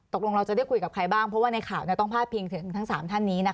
ตกลงเราจะได้คุยกับใครบ้างเพราะว่าในข่าวเนี่ยต้องพลาดเพียงถึงทั้งสามท่านนี้นะคะ